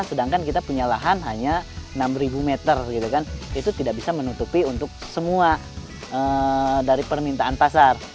sedangkan kita punya lahan hanya enam meter itu tidak bisa menutupi untuk semua dari permintaan pasar